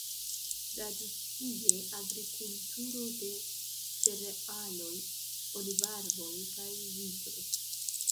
Tradicie agrikulturo de cerealoj, olivarboj kaj vitoj.